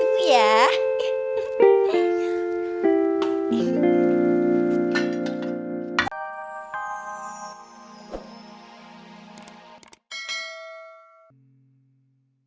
sini biar mantis